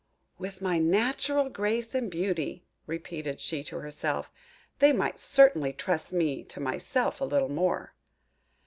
"With my natural grace and beauty," repeated she to herself, "they might certainly trust me to myself a little more!"